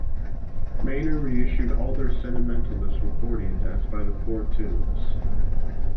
Manor reissued all their Sentimentalists recordings as by the Four Tunes.